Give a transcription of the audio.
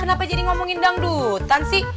kenapa jadi ngomongin dangdutan sih